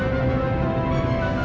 apaan sih ini